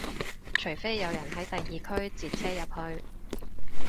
除非有人喺第二區截車入去